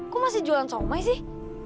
kok masih jualan somai sih